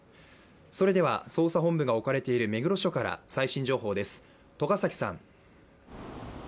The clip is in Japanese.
それでは捜査本部が置かれている目黒署から最新情報です。